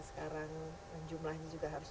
sekarang jumlahnya juga harus